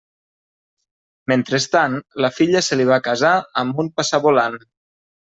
Mentrestant, la filla se li va casar amb un passavolant.